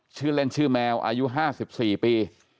ชื่อเล่นชื่อแมวอายุ๕๔ปี